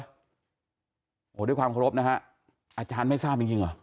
โอ้โหด้วยความเคารพนะฮะอาจารย์ไม่ทราบจริงเหรอ